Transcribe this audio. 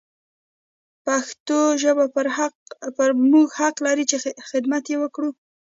پښتو ژبه پر موږ حق لري چې حدمت يې وکړو.